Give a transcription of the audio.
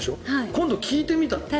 今度、聴いてみたら？